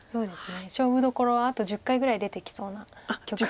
勝負どころあと１０回ぐらい出てきそうな局面です。